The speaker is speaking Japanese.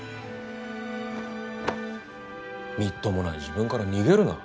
みっともない自分から逃げるな。